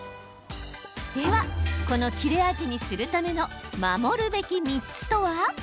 では、この切れ味にするための守るべき３つとは？